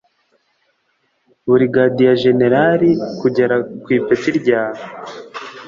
Burigadiye Jenerali kugera ku ipeti rya